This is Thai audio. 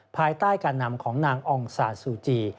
ภายใต้การนำของนางองซาซูจี